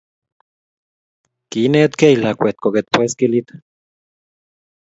kiinetgei lakwet koket baskilit